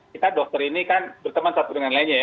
kita dokter ini kan berteman satu dengan lainnya ya